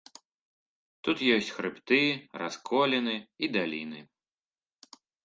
Тут ёсць хрыбты, расколіны і даліны.